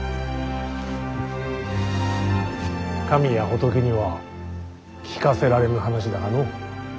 神や仏には聞かせられぬ話だがのう。